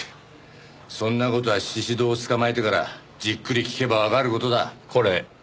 そんな事は宍戸を捕まえてからじっくり聞けばわかる事だ。